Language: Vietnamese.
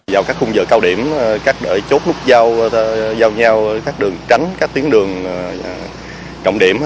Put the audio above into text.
vào các khung giờ cao điểm các đỡ chốt nút giao nhau các đường tránh các tuyến đường trọng điểm